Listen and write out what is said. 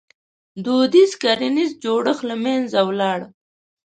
• دودیز کرنیز جوړښت له منځه ولاړ.